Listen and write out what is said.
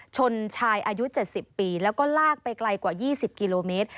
ชนชายอายุ๗๐ปีแล้วก็ลากไปไกลกว่า๒๐กิโลเมตร